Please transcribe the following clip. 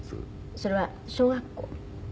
それは小学校？